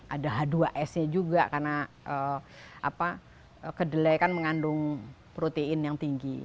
ada h dua s nya juga karena kedelai kan mengandung protein yang tinggi